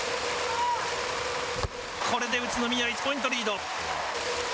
これで宇都宮１ポイントリード。